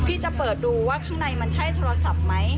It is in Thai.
จะเปิดดูว่าข้างในมันใช่โทรศัพท์ไหม